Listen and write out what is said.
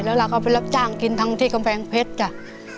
แล้วเราก็ไปรับจ้างกินทั้งที่กำแพงเพชรจ้ะ